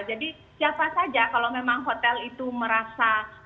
jadi siapa saja kalau memang hotel itu merasa